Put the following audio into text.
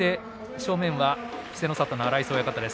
正面は稀勢の里の荒磯親方です。